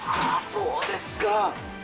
そうですか。